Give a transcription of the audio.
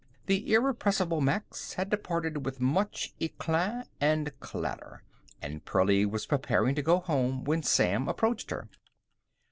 The irrepressible Max had departed with much eclat and clatter, and Pearlie was preparing to go home when Sam approached her.